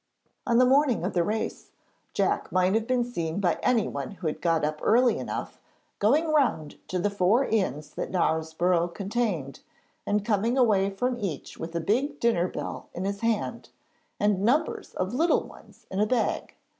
On the morning of the race Jack might have been seen by anyone who had got up early enough, going round to the four inns that Knaresborough contained, and coming away from each with a big dinner bell in his hand, and numbers of little ones in a bag.